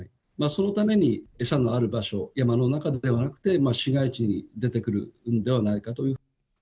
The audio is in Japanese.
そのために、餌のある場所、山の中ではなくて、市街地に出てくるのではないかと。